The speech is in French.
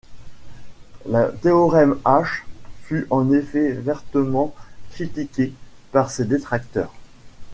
Le théorème H fut en effet vertement critiqué par ses détracteurs.